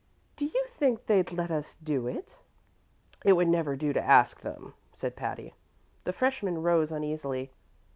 "Do you think they'd let us do it?" "It would never do to ask them," said Patty. The freshman rose uneasily.